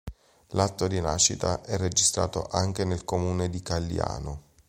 L'atto di nascita è registrato anche nel Comune di Calliano.